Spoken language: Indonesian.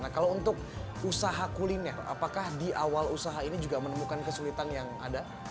nah kalau untuk usaha kuliner apakah di awal usaha ini juga menemukan kesulitan yang ada